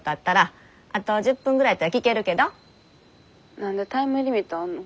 何でタイムリミットあんの。